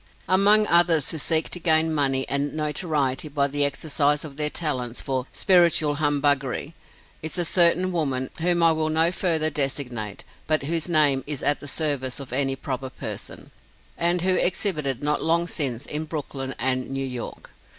Among others who seek to gain money and notoriety by the exercise of their talents for "spiritual" humbuggery, is a certain woman, whom I will not further designate, but whose name is at the service of any proper person, and who exhibited not long since in Brooklyn and New York.